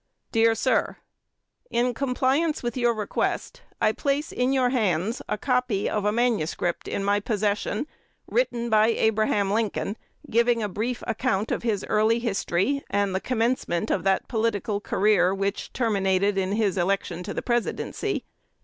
Dear Sir, In compliance with your request, I place in your hands a copy of a manuscript in my possession written by Abraham Lincoln, giving a brief account of his early history, and the commencement of that political career which terminated in his election to the Presidency.